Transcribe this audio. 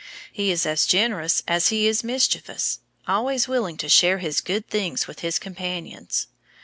He is as generous as he is mischievous, always willing to share his good things with his companions.